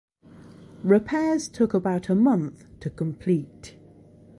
Repairs took about a month to complete.